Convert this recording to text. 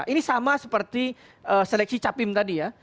ini sama seperti seleksi capim tadi ya